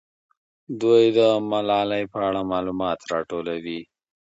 دوی د ملالۍ په اړه معلومات راټولوي.